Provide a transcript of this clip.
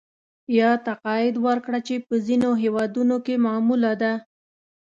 یا تقاعد ورکړه چې په ځینو هېوادونو کې معموله ده